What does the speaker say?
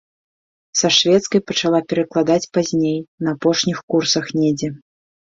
Са шведскай пачала перакладаць пазней, на апошніх курсах недзе.